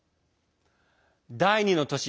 第２の都市